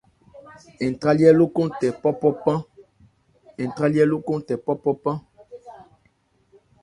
Ntrályɛ́ lókɔn tɛ ńpɔ́-npɔ́ pán.